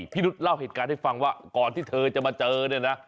นุษย์เล่าเหตุการณ์ให้ฟังว่าก่อนที่เธอจะมาเจอเนี่ยนะ